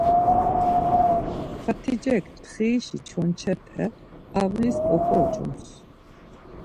Xat̆icek ntxirişi çonçepe avlas oǩoç̌ums.